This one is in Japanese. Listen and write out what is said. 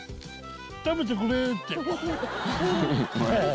食べてくれ！